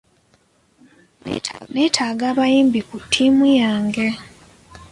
Neetaaga abayambi ku tiimu yange.